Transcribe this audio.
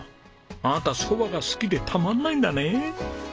あなた蕎麦が好きでたまんないんだね。